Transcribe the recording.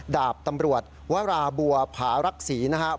ดาบตำรวจวราบัวผารักษี